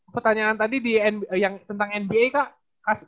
pertanyaan tadi tentang nba kak